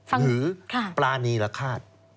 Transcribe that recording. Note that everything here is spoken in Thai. หรือปรานีรคาต